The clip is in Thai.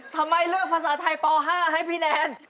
ทำไมเลือกภาษาไทยป๕ให้พี่แนน